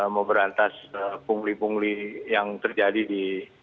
memberantas pungli pungli yang terjadi di